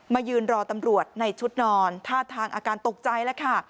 ยืนรอตำรวจในชุดนอนท่าทางอาการตกใจแล้วค่ะ